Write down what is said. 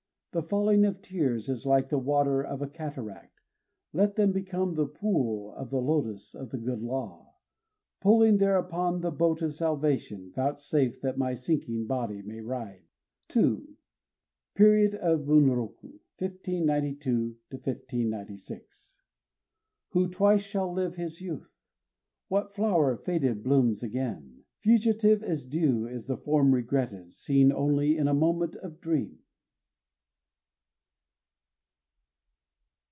The falling of tears Is like the water of a cataract. Let them become the Pool Of the Lotos of the Good Law! Poling thereupon The Boat of Salvation, Vouchsafe that my sinking Body may ride! II (Period of Bunrokû 1592 1596) Who twice shall live his youth? What flower faded blooms again? Fugitive as dew Is the form regretted, Seen only In a moment of dream.